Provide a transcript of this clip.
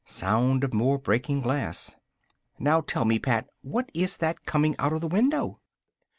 Sound of more breaking glass. "Now, tell me, Pat, what is that coming out of the window?"